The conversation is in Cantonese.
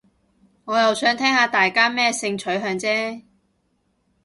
我又想聽下大家咩性取向啫